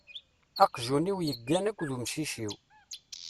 Aqjun-iw yeggan akked umcic-iw.